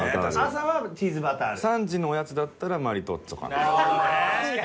３時のおやつだったらマリトッツォかな。